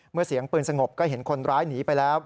เสียงปืนสงบก็เห็นคนร้ายหนีไปแล้ว